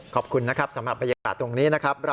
ขอบคุณนะครับสำหรับบรรยากาศตรงนี้นะครับ